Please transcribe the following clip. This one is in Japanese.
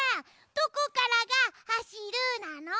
どこからがはしるなの？